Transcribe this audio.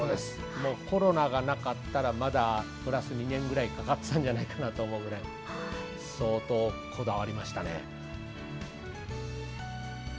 コロナがなかったらまだプラス２年ぐらいかかってたんじゃないかなと思うくらい相当こだわりましたね。